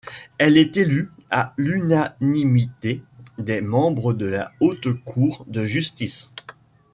Elle est élue à l'unanimité des membres de la Haute Cour de Justice.